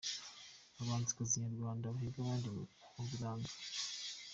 Abahanzikazi nyarwanda bahiga abandi mu buranga.